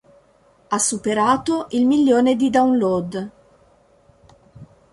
Ha superato il milione di download.